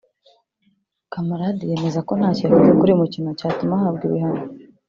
Camarade yemeza ko ntacyo yakoze kuri uyu mukino cyatuma ahabwa ibihano